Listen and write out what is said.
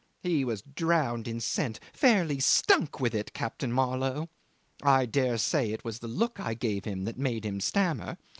He was drowned in scent fairly stunk with it, Captain Marlow. I dare say it was the look I gave him that made him stammer.